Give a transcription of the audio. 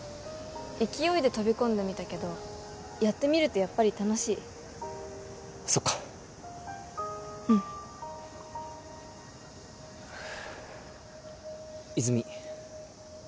勢いで飛び込んでみたけどやってみるとやっぱり楽しいそっかうん泉